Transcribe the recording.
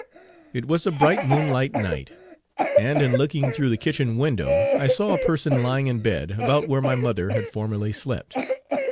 It was a bright moonlight night, and in looking through the kitchen window, I saw a person lying in bed about where my mother had formerly slept.